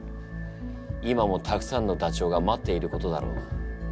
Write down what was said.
今もたくさんのダチョウが待っていることだろう。